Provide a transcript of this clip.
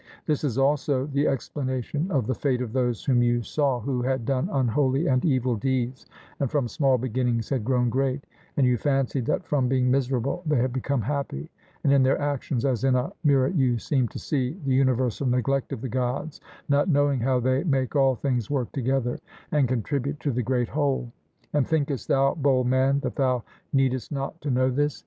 This is also the explanation of the fate of those whom you saw, who had done unholy and evil deeds, and from small beginnings had grown great, and you fancied that from being miserable they had become happy; and in their actions, as in a mirror, you seemed to see the universal neglect of the Gods, not knowing how they make all things work together and contribute to the great whole. And thinkest thou, bold man, that thou needest not to know this?